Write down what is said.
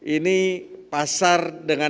ini pasar dengan